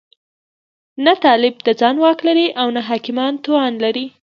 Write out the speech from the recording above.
نه طالب د ځان واک لري او نه حاکمان توان لري.